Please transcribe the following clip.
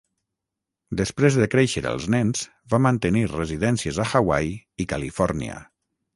Després de créixer els nens, va mantenir residències a Hawaii i Califòrnia.